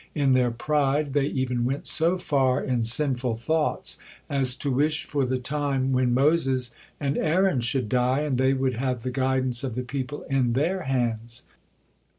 In their pride they even went so far in sinful thoughts as to wish for the time when Moses and Aaron should die and they would have the guidance of the people in their hands.